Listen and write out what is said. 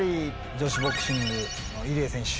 女子ボクシングの入江選手。